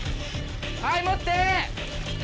はい持って！